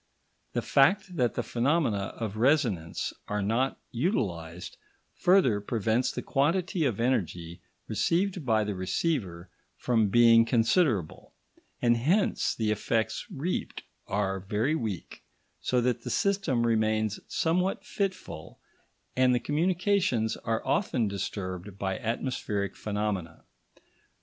The fact that the phenomena of resonance are not utilised, further prevents the quantity of energy received by the receiver from being considerable, and hence the effects reaped are very weak, so that the system remains somewhat fitful and the communications are often disturbed by atmospheric phenomena.